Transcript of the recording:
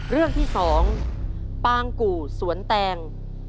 เรื่องที่๒ปางกู่สวนแตง